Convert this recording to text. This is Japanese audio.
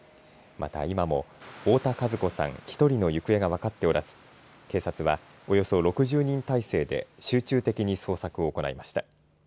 また、今も太田和子さん１人の行方が分かっておらず警察は、およそ６０人態勢で集中的に捜索を行いました。